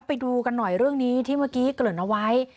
ไปดูกันหน่อยเรื่องนี้ที่เมื่อกี้เกริ่นเอาไว้